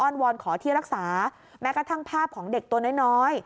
วอนขอที่รักษาแม้กระทั่งภาพของเด็กตัวน้อย